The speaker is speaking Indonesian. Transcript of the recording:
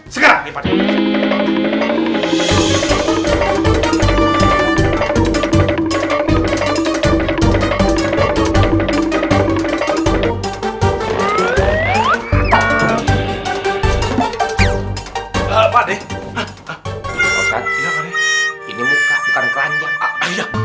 sekarang ya pak d